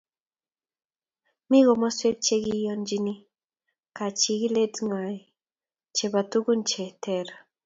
Mi komoskwek che kiyoichini kachikilet ngwai chebo tukun che ter